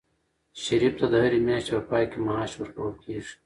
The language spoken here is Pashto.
شریف ته د هرې میاشتې په پای کې معاش ورکول کېږي.